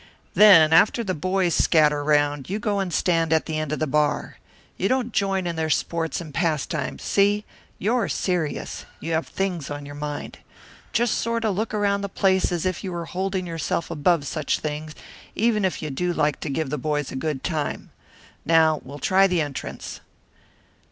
"Then, after the boys scatter around, you go stand at the end of the bar. You don't join in their sports and pastimes, see? You're serious; you have things on your mind. Just sort of look around the place as if you were holding yourself above such things, even if you do like to give the boys a good time. Now we'll try the entrance."